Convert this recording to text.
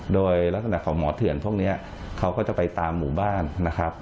โดยลักษณะของหมอเถื่อนพวกนี้เขาก็จะไปตามหมู่บ้านนะครับ